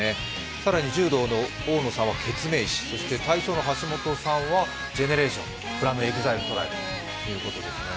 更に柔道の大野さんはケツメイシ、体操の橋本さんはＧＥＮＥＲＡＴＩＯＮＳｆｒｏｍＥＸＩＬＥＴＲＩＢＥということですね。